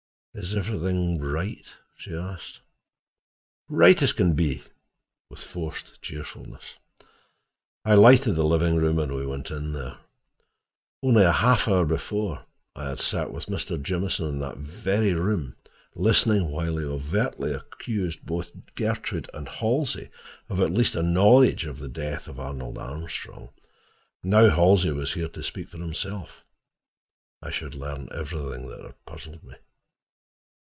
"Is everything—right?" she asked. "Right as can be," with forced cheerfulness. I lighted the living room and we went in there. Only a half hour before I had sat with Mr. Jamieson in that very room, listening while he overtly accused both Gertrude and Halsey of at least a knowledge of the death of Arnold Armstrong. Now Halsey was here to speak for himself: I should learn everything that had puzzled me.